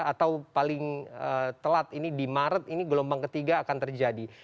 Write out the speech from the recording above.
atau paling telat ini di maret ini gelombang ketiga akan terjadi